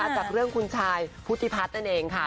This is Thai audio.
จากเรื่องคุณชายพุทธิพัฒน์นั่นเองค่ะ